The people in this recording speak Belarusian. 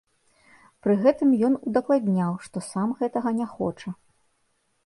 Пры гэтым ён удакладняў, што сам гэтага не хоча.